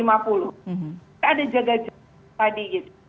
ada jaga jaga tadi gitu